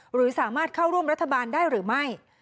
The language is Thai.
หรือสามารถเข้าร่วมรัฐบาลได้หรือไม่